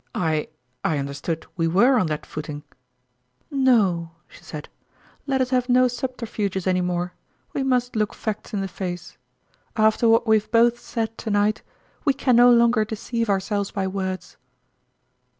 " I I understood we were on that footing ?"" No," she said, " let us have no subterfuges any more we must look facts in the face. :ije Second After what we have both said to night, we can no longer deceive ourselves by words.